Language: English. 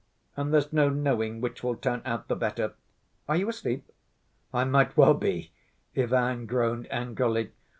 And there's no knowing which will turn out the better.... Are you asleep?" "I might well be," Ivan groaned angrily.